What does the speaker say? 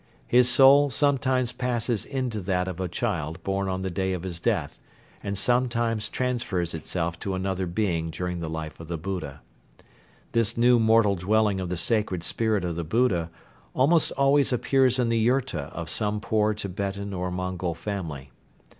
His soul sometimes passes into that of a child born on the day of his death and sometimes transfers itself to another being during the life of the Buddha. This new mortal dwelling of the sacred spirit of the Buddha almost always appears in the yurta of some poor Tibetan or Mongol family.